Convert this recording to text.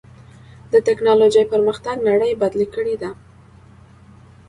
د ټکنالوجۍ پرمختګ نړۍ بدلې کړې ده.